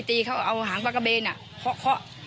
ทุกข่าวของเราก็ไปคุยกับ